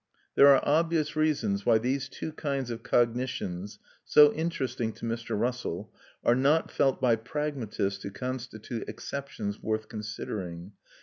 There are obvious reasons why these two kinds of cognitions, so interesting to Mr. Russell, are not felt by pragmatists to constitute exceptions worth considering.